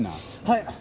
はい！